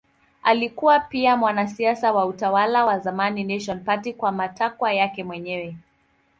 Alikuwa pia mwanasiasa wa utawala wa zamani National Party kwa matakwa yake mwenyewe.